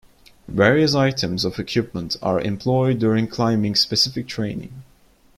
Various items of equipment are employed during climbing-specific training.